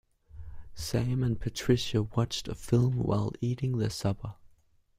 Sam and Patricia watched a film while eating their supper.